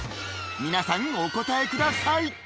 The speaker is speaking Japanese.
皆さんお答えください